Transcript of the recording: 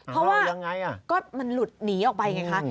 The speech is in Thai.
เพราะว่าก็มันหลุดหนีออกไปไงคะ